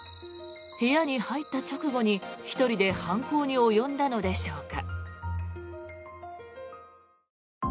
部屋に入った直後に、１人で犯行に及んだのでしょうか。